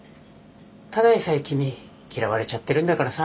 ただでさえ君嫌われちゃってるんだからさ